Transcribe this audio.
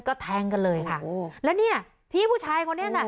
ก็แทงกันเลยค่ะโอ้แล้วเนี่ยพี่ผู้ชายคนนี้น่ะ